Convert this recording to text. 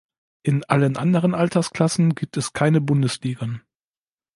In allen anderen Altersklassen gibt es keine Bundesligen.